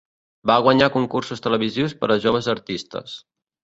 Va guanyar concursos televisius per a joves artistes.